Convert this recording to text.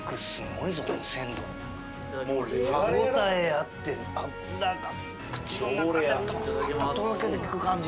歯応えあって脂が口の中でトロッととろけていく感じ